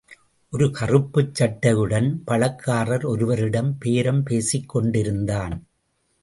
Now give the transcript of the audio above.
ஒரு கறுப்புச் சட்டையுடன், பழக்காரர் ஒருவரிடம் பேரம் பேசிக்கொண்டிருந்தான்.